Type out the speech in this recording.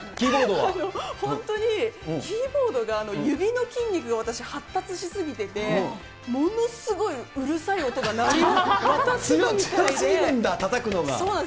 本当にキーボードが、指の筋肉が私、発達しすぎてて、ものすごいうるさい音が鳴るみたいで。